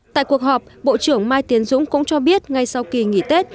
tại cuộc họp bộ trưởng mai tiến dũng cũng cho biết ngay sau kỳ nghỉ tết